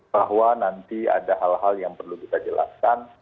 bahwa nanti ada hal hal yang perlu kita jelaskan